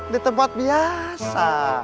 di tempat biasa